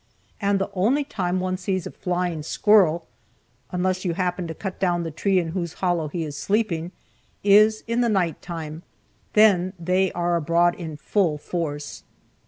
And the only time one sees a flying squirrel, (unless you happen to cut down the tree in whose hollow he is sleeping,) is in the night time. They are then abroad in full force.